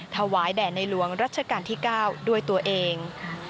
ถวายแด่ในหลวงรัชกาลที่๙ด้วยตัวเอง